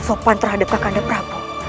apa yang kau lakukan terhadap kakanda prabuh